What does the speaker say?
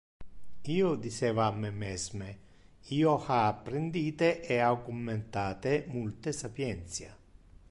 Io diceva a me mesme: io ha apprendite e augmentate multe sapientia.